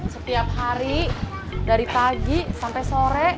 setiap hari dari pagi sampai sore